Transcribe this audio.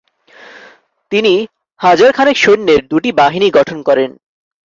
তিনি হাজারখানেক সৈন্যের দু'টি বাহিনী গঠন করেন।